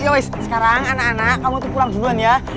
yowis sekarang anak anak kamu tuh pulang duluan ya